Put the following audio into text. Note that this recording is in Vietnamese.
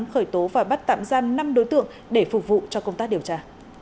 khởi tố và bắt tạm giam năm đối tượng để phục vụ cho công tác điều tra